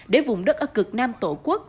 để vùng đất ở cực nam tổ quốc